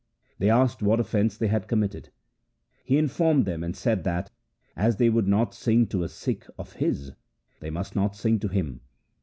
They asked what offence they had committed. He informed them and said that, as they would not sing to a Sikh of his, they must not sing to him.